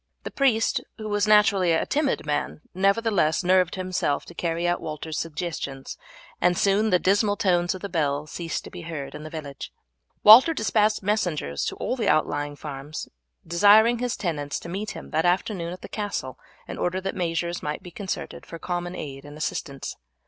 The priest, who was naturally a timid man, nevertheless nerved himself to carry out Walter's suggestions, and soon the dismal tones of the bell ceased to be heard in the village. Walter despatched messengers to all the outlying farms desiring his tenants to meet him that afternoon at the castle in order that measures might be concerted for common aid and assistance.